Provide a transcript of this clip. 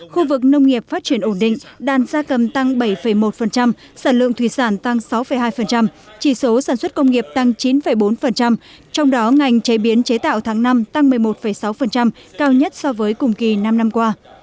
khu vực nông nghiệp phát triển ổn định đàn gia cầm tăng bảy một sản lượng thủy sản tăng sáu hai chỉ số sản xuất công nghiệp tăng chín bốn trong đó ngành chế biến chế tạo tháng năm tăng một mươi một sáu cao nhất so với cùng kỳ năm năm qua